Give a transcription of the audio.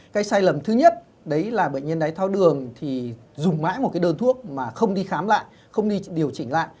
cái sai lầm thứ nhất là bệnh nhân đài tháo đường dùng mãi một đơn thuốc mà không đi khám lại không đi điều chỉnh lại